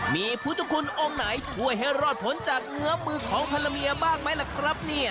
มีพุทธคุณองค์ไหนช่วยให้รอดผลจากเงื้อมือของภรรยาบ้างไหมล่ะครับเนี่ย